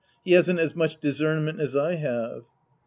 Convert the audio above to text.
He hasn't as much discernment as I have.